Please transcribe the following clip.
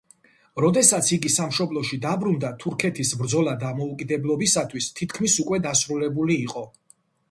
როდესაც იგი სამშობლოში დაბრუნდა, თურქეთის ბრძოლა დამოუკიდებლობისათვის თითქმის უკვე დასრულებული იყო.